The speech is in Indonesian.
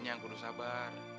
kita yang perlu sabar